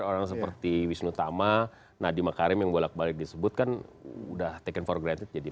orang seperti wisnu tama nadiem makarim yang bolak balik disebutkan udah taken for granted jadi